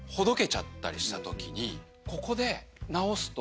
ここで。